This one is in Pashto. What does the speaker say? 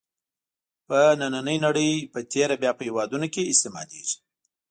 په نننۍ نړۍ په تېره بیا په هېوادونو کې استعمالېږي.